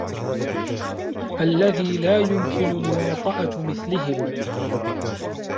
الَّذِي لَا يُمْكِنُ مُوَاطَأَةُ مِثْلِهِمْ